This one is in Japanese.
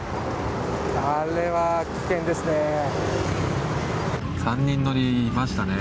あれは危険ですね。